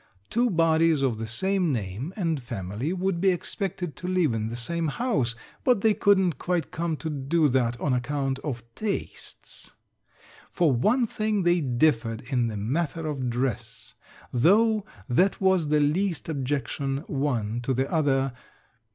Two bodies of the same name and family would be expected to live in the same house, but they couldn't quite come to do that on account of tastes. For one thing they differed in the matter of dress, though that was the least objection one to the other.